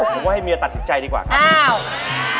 ผมก็ให้เมียตัดสิทธิใจดีกว่าครับ